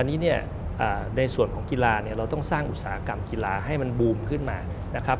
อันนี้เนี่ยในส่วนของกีฬาเนี่ยเราต้องสร้างอุตสาหกรรมกีฬาให้มันบูมขึ้นมานะครับ